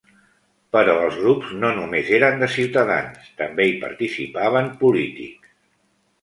Però els grups no només eren de ciutadans, també hi participaven polítics.